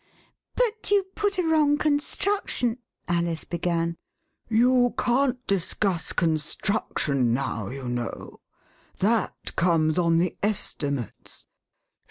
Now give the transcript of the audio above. " But you put a wrong construction " Alice began. You can't discuss Construction now, you know ; that comes on the Estimates.